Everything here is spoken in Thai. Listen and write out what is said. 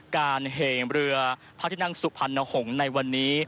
เห่งเรือพระที่นั่งสุพรรณหงษ์ในวันนี้